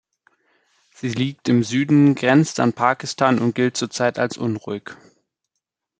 Sie liegt im Süden, grenzt an Pakistan und gilt zurzeit als unruhig.